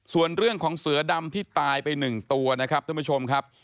ส่วนเรื่องของเสือดำที่ตายไป๑ตัวนะครับท่านผู้ชมครับ